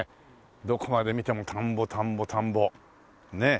どこまで見ても田んぼ田んぼ田んぼねえ。